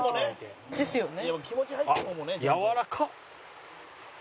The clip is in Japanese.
「ですよね」